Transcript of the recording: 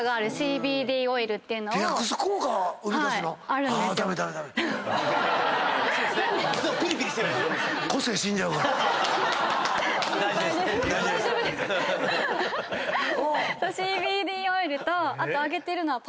あとあげてるのは。